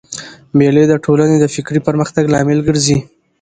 مېلې د ټولني د فکري پرمختګ لامل ګرځي.